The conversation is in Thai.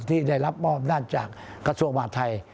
ที่ได้รับอ้อมด้านจากกระทรวงบาทไทย